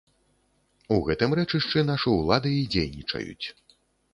У гэтым рэчышчы нашы ўлады і дзейнічаюць.